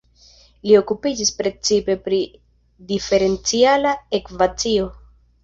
Li okupiĝas precipe pri diferenciala ekvacio.